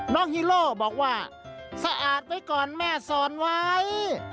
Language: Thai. ฮีโร่บอกว่าสะอาดไว้ก่อนแม่สอนไว้